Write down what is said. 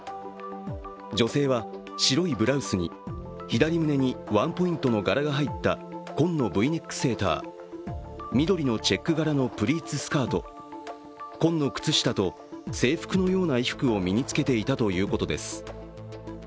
女性は白いブラウスに左胸にワンポイントの柄が入った紺のＶネックセーター、緑のチェック柄のプリーツスカート紺の靴下と、制服のような衣服を身につけていたということです。